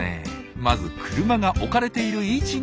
まず車が置かれている位置にご注目。